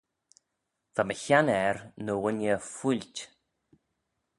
Va my haner ny ghooinney feoilt.